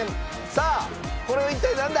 さあこれは一体なんだ？